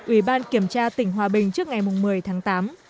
ủy ban kiểm tra tỉnh hòa bình trước ngày một mươi tháng tám